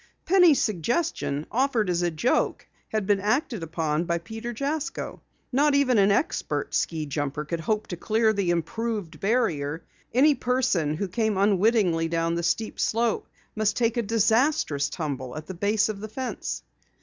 Penny's suggestion, offered as a joke, had been acted upon by Peter Jasko. Not even an expert ski jumper could hope to clear the improved barrier. Any person who came unwittingly down the steep slope must take a disastrous tumble at the base of the fence.